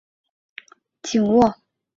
它亦配备了一个防滑合成物料以便紧握。